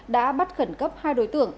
đã bắt khẩn cấp hai đối tượng